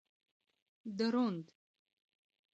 دروند